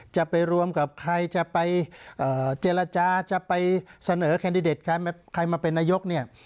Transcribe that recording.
จะไปรวมกับใครจะไปเจรจาจะไปเสนอแคนดิเดตใครมาเป็นนายกเนี่ย